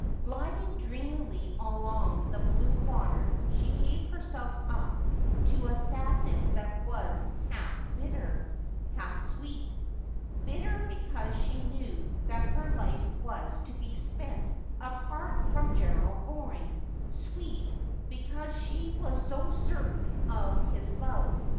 Gliding dreamily along the blue water she gave herself up to a sadness that was half bitter, half sweet ; bitter, because she knew that her life was to be spent apart from Gerald Goring ; sweet, because she was so certain of hia love.